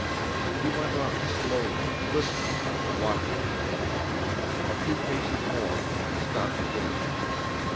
He went on slowly, listening, watching. A few paces more and he stopped again.